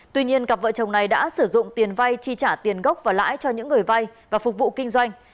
tuy nhiên cặp vợ chồng này đã sử dụng tiền vay chi trả tiền gốc và lãi cho những người vay và phục vụ kinh doanh